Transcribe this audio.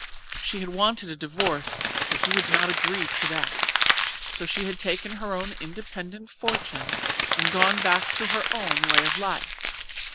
She had wanted a divorce, but he would not agree to that, so she had taken her own independent fortune and gone back to her own way of life.